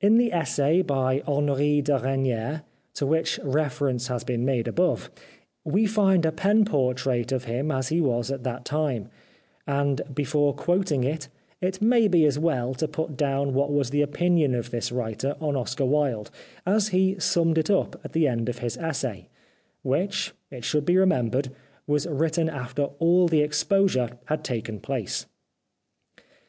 In the essay by Henri de Regnier, to which reference has been made above, we find a pen portrait of him as he was at that time, and before quoting it it may be as well to put down what was the opinion of this writer on Oscar Wilde, as he summed it up at the end of his essay, which, it should be remembered, was written after all the exposure had taken place.